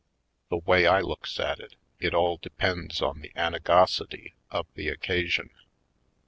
The way I looks at it, it all depends on the anigosity ^ of the occasion.